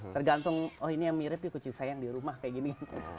tergantung oh ini yang mirip nih kucing saya yang di rumah kayak gini